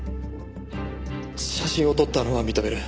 写真を撮ったのは認める。